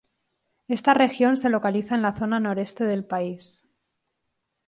Esta región se localiza en la zona noreste del país.